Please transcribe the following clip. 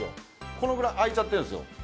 このぐらい開いちゃってるんすよ